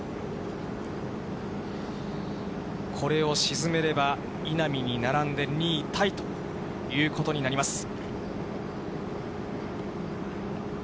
これを沈めれば、稲見に並んで２位タイということになります。